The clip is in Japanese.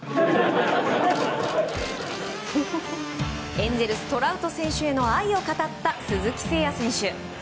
エンゼルストラウト選手への愛を語った鈴木誠也選手。